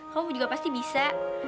kamu juga pasti bisa